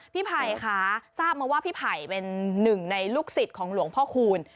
ไผ่ค่ะทราบมาว่าพี่ไผ่เป็นหนึ่งในลูกศิษย์ของหลวงพ่อคูณ